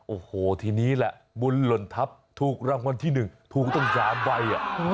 โอ้โหทีนี้แหละบุญหล่นทัพถูกรางวัลที่๑ถูกต้อง๓ใบ